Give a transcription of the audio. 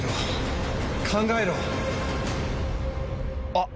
あっ！